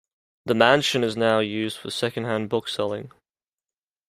The mansion is now used for second-hand bookselling.